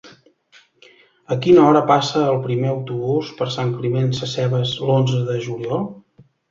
A quina hora passa el primer autobús per Sant Climent Sescebes l'onze de juliol?